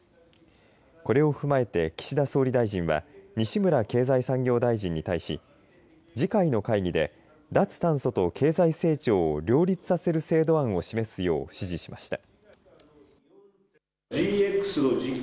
これを踏まえて岸田総理大臣は西村経済産業大臣に対し次回の会議で脱炭素と経済成長を両立させる制度案を示すよう指示しました。